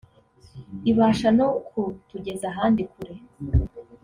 ibasha no kutugeza ahandi kure